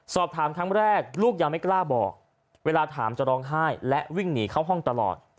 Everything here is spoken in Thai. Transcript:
สอบถามครั้งแรกลูกยังไม่กล้าบอกเวลาถามจะร้องไห้และวิ่งหนีเข้าห้องตลอด